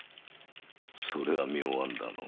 それは妙案だの？